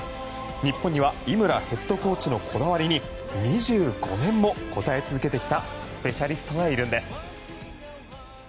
日本には井村ヘッドコーチのこだわりに２５年も応え続けてきたスペシャリストがいるんです。